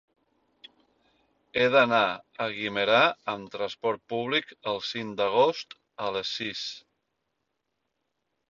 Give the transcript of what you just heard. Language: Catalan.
He d'anar a Guimerà amb trasport públic el cinc d'agost a les sis.